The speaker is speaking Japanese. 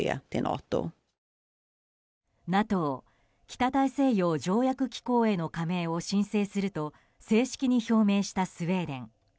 ＮＡＴＯ・北大西洋条約機構への加盟を申請すると正式に表明したスウェーデン。